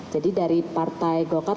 jadi dari partai gokar